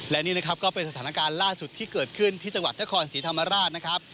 และนี่นะครับก็เป็นสถานการณ์ล่าสุดที่เกิดขึ้นที่จังหวัดนครศรีธรรมราชนะครับ